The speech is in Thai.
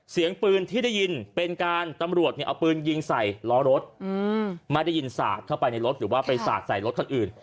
เสียงปลืนที่ได้ยินด่ามการตำรวจยิงใช้ล้อไม่ได้ยิงสาดเข้าไปในรถหรือจะไปสาดใส่รถอื่น